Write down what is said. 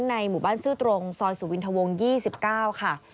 ในหมู่บ้านซื่อตรงซอยสุวินทวง๒๙ค่ะ